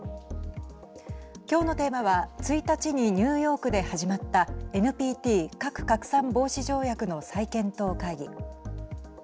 今日のテーマは１日に、ニューヨークで始まったＮＰＴ＝核拡散防止条約の再検討会議。